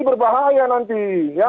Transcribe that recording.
ini berbahaya nanti ya